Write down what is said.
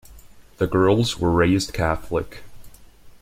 The girls were raised Catholic.